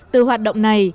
từ hoạt động này